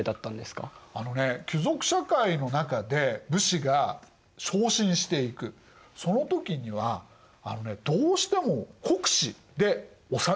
あのね貴族社会の中で武士が昇進していくその時にはどうしても国司でおしまいだったんです。